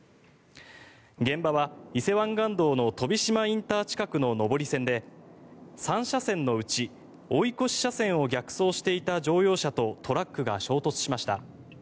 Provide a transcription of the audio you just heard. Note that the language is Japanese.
現場は伊勢湾岸道の飛島ＩＣ近くの上り線で３車線のうち追い越し車線を逆走していた乗用車とトラックが衝突しました。